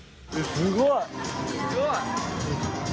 すごい。